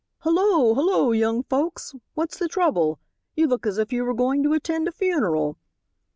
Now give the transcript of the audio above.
"Hullo! hullo! young folks, what's the trouble? You look as if you were going to attend a funeral."